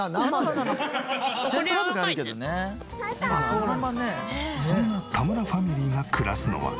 そんな田村ファミリーが暮らすのは。